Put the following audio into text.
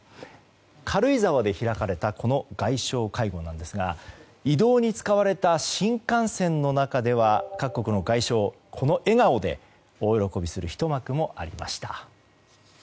軽井沢で開かれたこの外相会合なんですが移動に使われた新幹線の中では各国の外相、この笑顔で大喜びするひと幕もありました。